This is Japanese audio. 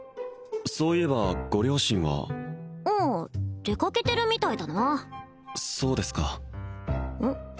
そういえばご両親はあ出かけてるみたいだなそうですかうん？